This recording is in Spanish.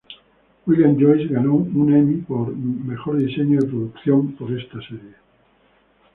William Joyce ganó un Emmy por "Mejor Diseño de Producción" por esta serie.